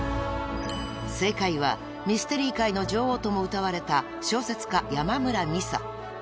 ［正解はミステリー界の女王ともうたわれた小説家山村美紗］